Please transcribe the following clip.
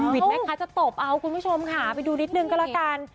แม่ค้าจะตบเอาคุณผู้ชมค่ะไปดูนิดนึงก็แล้วกัน